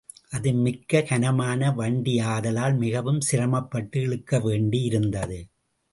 அது மிகக் கனமான வண்டியாதலால் மிகவும் சிரமப்பட்டு இழுக்கவேண்டியிருந்தது.